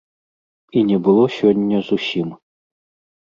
І не было сёння зусім.